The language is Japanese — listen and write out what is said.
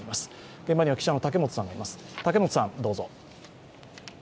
現場には竹本さんがいます。